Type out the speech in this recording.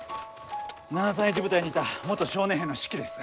７３１部隊にいた元少年兵の手記です。